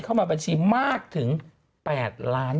เข้ามาบัญชีมากถึง๘ล้าน